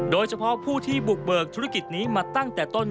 โดยเฉพาะผู้ที่บุกเบิกธุรกิจนี้มาตั้งแต่ต้น